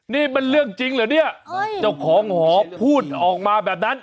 นี่มันเรื่องจริงเหรอเนี่ยเจ้าของหอพูดออกมาแบบนั้น